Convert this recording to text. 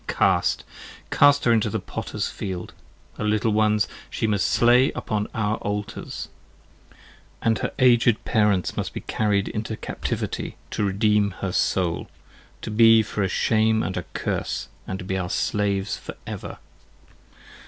Cast! Cast her into the Potter's field. Her little ones, She must slay upon our Altars: and her aged Parents must be carried into captivity, to redeem her Soul, 35 To be for a Shame & a Curse, and to be our Slaves for ever.